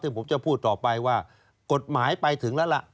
ซึ่งผมจะพูดต่อไปว่ากฎหมายไปถึงแล้วล่ะ